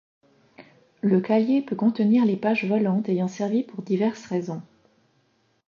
Le cahier peut contenir les pages volantes ayant servi pour diverses raisons.